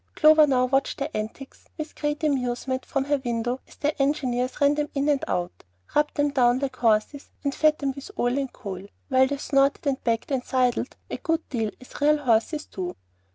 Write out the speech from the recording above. Clover now watched their antics with great amusement from her window as their engineers ran them in and out, rubbed them down like horses, and fed them with oil and coal, while they snorted and backed and sidled a good deal as real horses do.